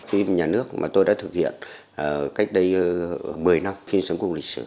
phim nhà nước mà tôi đã thực hiện cách đây một mươi năm phim sống cục lịch sử